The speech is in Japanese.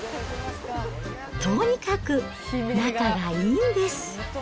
とにかく仲がいいんです。